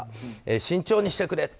慎重にしてくれと。